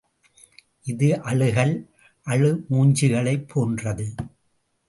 இது அழுகல், அழுமூஞ்சிகளைப் போன்றது.